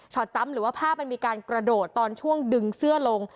จำหรือว่าภาพมันมีการกระโดดตอนช่วงดึงเสื้อลง